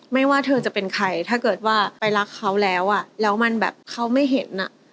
ไม่ว่าเธอจะเป็นใครถ้าเกิดว่าไปรักเขาแล้วอ่ะแล้วมันแบบเขาไม่เห็นอ่ะ